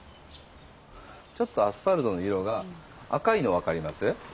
ちょっとアスファルトの色が赤いの分かります？